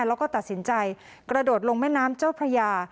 แล้วก็ตัดสินใจกระโดดลงแม่น้ำเจ้าพระยา